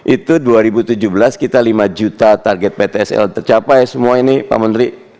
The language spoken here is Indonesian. itu dua ribu tujuh belas kita lima juta target ptsl tercapai semua ini pak menteri